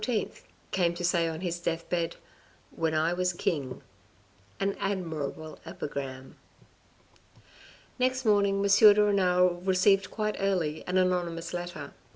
came to say on his deathbed, " When I was king." An admirable epigram. Next morning, M. de Renal received quite early an anony mous letter.